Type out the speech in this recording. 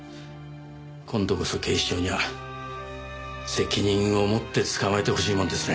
今度こそ警視庁には責任を持って捕まえてほしいもんですね。